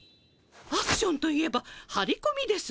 アクションといえばはりこみですわ。